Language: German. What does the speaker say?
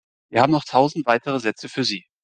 Wir haben noch tausende weitere Sätze für Sie.